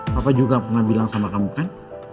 papa juga pernah bilang sama kamu kan